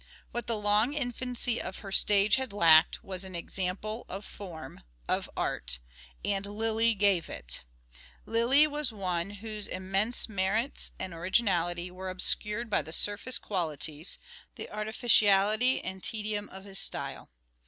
What tne long infancy of her stage had lacked was an example of form, of art ; and Lyly gave it. ... Lyly was one whose immense merits and originality were obscured by the surface qualities, the artificiality and tedium of his style